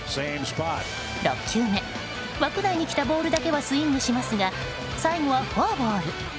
６球目、枠内にきたボールだけはスイングしますが最後はフォアボール。